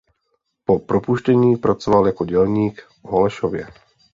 Po propuštění pracoval jako dělník v Holešově.